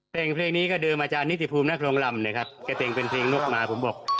แต่งเพลงนี้ก็เดิมอาจารย์นิติภูมินักรงลำนะครับจะแต่งเป็นเพลงนกมาผมบอก